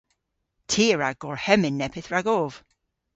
Ty a wra gorhemmyn neppyth ragov.